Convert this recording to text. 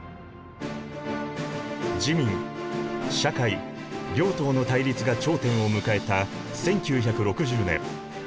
自民・社会両党の対立が頂点を迎えた１９６０年。